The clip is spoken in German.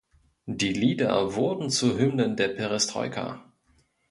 Die Lieder wurden zu Hymnen der Perestroika.